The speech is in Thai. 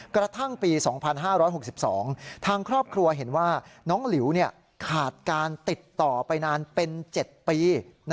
กระทั่งปี๒๕๖๒ทางครอบครัวเห็นว่าน้องหลิวขาดการติดต่อไปนานเป็น๗ปี